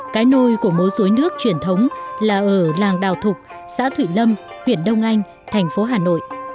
cái nôi của múa rối nước truyền thống là ở làng đào thục xã thụy lâm huyện đông anh thành phố hà nội